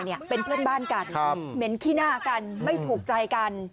เห็นขี้หน้ากันไม่ถูกใจกัน